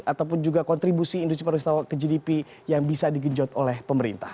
ataupun juga kontribusi industri pariwisata ke gdp yang bisa digenjot oleh pemerintah